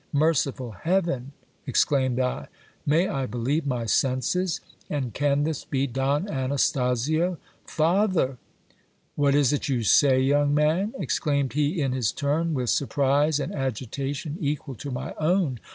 Merciful heaven ! ex claimed I, may I believe my senses ? And can this be Don Anastasio ? Father ! What is it you say, young man ? exclaimed he in his turn, with sur prise and agitation equal to my own.